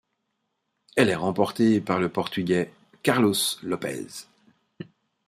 Elle est remportée par le Portugais Carlos Lopes.